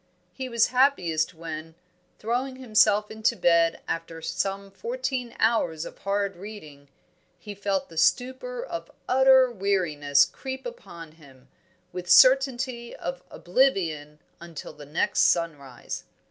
He was happiest when, throwing himself into bed after some fourteen hours of hard reading, he felt the stupor of utter weariness creep upon him, with certainty of oblivion until the next sunrise.